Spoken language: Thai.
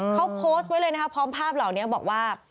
เขาโพสต์ไว้เลยนะครับพร้อมภาพเหล่านี้บอกว่า